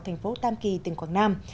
thành phố tam kỳ tỉnh quảng nam